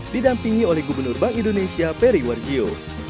didampingi oleh gubernur bank indonesia peri warjio